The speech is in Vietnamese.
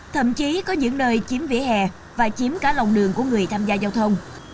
thậm chí có những nơi chiếm vỉa hè và chiếm cả lòng đường của người tham gia giao thông